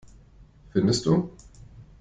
Findest du?